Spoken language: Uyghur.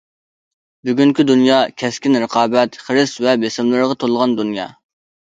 بۈگۈنكى دۇنيا كەسكىن رىقابەت، خىرىس ۋە بېسىملارغا تولغان دۇنيا.